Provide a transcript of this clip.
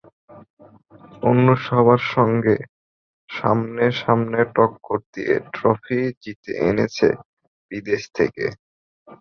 অন্য সবার সঙ্গে সমানে সমানে টক্কর দিয়ে ট্রফি জিতে আনছে বিদেশ থেকে।